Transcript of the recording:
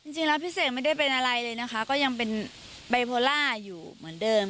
จริงแล้วพี่เสกไม่ได้เป็นอะไรเลยนะคะก็ยังเป็นไบโพล่าอยู่เหมือนเดิม